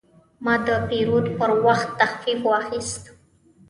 ما د پیرود پر وخت تخفیف واخیست.